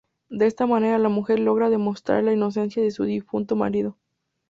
De esta manera la mujer logra demostrar la inocencia de su difunto marido.